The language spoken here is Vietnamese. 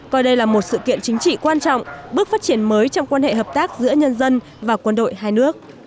coi đây là một sự kiện chính trị quan trọng bước phát triển mới trong quan hệ hợp tác giữa nhân dân và quân đội hai nước